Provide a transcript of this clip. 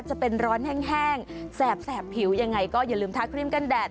จะเป็นร้อนแห้งแสบผิวยังไงก็อย่าลืมทักครีมกันแดด